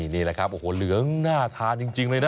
นี่แหละครับโอ้โหเหลืองน่าทานจริงเลยนะ